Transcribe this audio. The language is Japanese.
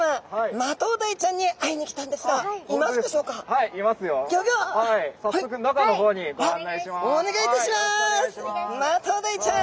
マトウダイちゃん！